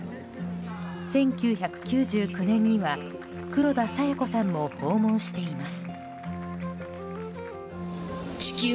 １９９９年には黒田清子さんも訪問しています。